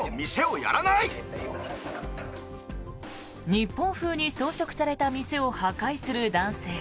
日本風に装飾された店を破壊する男性。